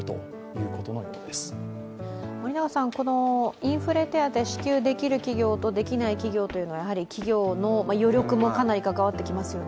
インフレ手当、支給できる企業とできない企業というのは、企業の余力もかなり関わってきますよね。